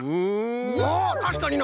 あったしかにな！